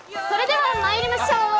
ＯＫ、それではまいりましょう。